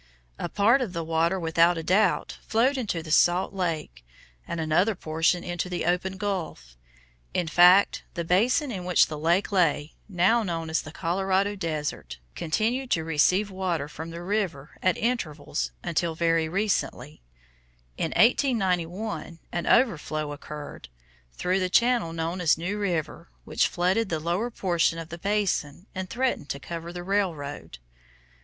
A part of the water without doubt flowed into the salt lake, and another portion into the open gulf. In fact, the basin in which the lake lay, now known as the Colorado desert, continued to receive water from the river, at intervals, until very recently. In 1891 an overflow occurred, through the channel known as New River, which flooded the lower portion of the basin and threatened to cover the railroad.